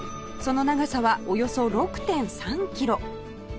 その長さはおよそ ６．３ キロ